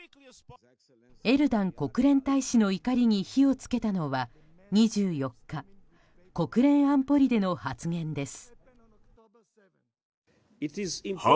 エルダン国連大使の怒りに火を付けたのは２４日、国連安保理での発言です。